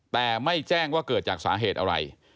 แต่ไม่แจ้งว่าเกิดจากสาเหตุอะไร